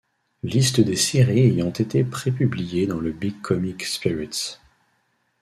Liste des séries ayant été pré-publiées dans le Big Comic Spirits.